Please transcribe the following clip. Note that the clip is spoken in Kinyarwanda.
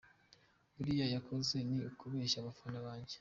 Biriya yakoze ni ukubeshya abafana banjye.